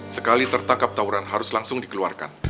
sekali tertangkap tawuran harus langsung dikeluarkan